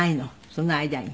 その間に。